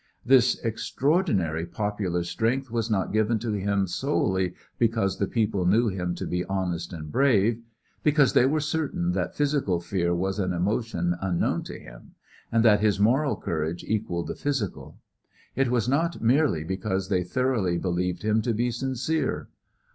This extraordinary popular strength was not given to him solely because the people knew him to be honest and brave, because they were certain that physical fear was an emotion unknown to him, and that his moral courage equaled the physical. It was not merely because they thoroughly believed him to be sincere.